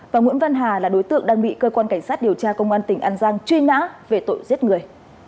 và nguyễn văn hà là đối tượng đang bị cơ quan cảnh sát điều tra công an tỉnh an giang truy nã về tội giết người